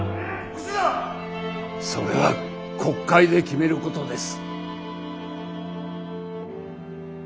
それは国会で決めることです。